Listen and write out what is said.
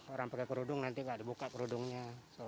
orang pakai kerudung nanti nggak dibuka kerudungnya